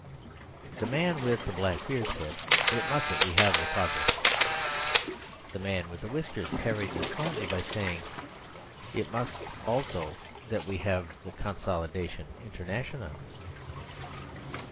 The man with the black beard said: "It must that we have the Progress." The man with the whiskers parried this smartly by saying: "It must also that we have the Consolidation International."